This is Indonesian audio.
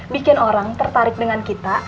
bikin orang tertarik dengan kita